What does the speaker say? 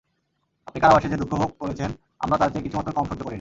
আপনি কারাবাসে যে দুঃখ ভোগ করেছেন আমরা তার চেয়ে কিছুমাত্র কম সহ্য করি নি।